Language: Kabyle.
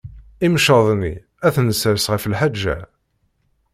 Imceḍ-nni ad t-nessers ɣef lḥaǧa.